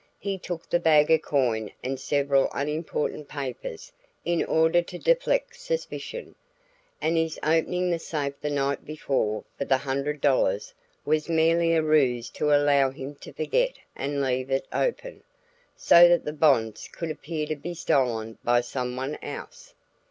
He took the bag of coin and several unimportant papers in order to deflect suspicion, and his opening the safe the night before for the hundred dollars was merely a ruse to allow him to forget and leave it open, so that the bonds could appear to be stolen by someone else.